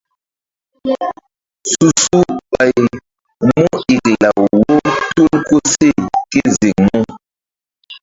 Su-su ɓay mu iklaw wo tul koseh ké ziŋ mu.